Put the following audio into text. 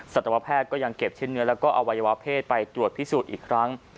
ศาตรวแพทย์ก็ยังเก็บชิ้นเนื้อและเอาวัยวเภทไปจริงกับพิสูจน์อีกครั้ง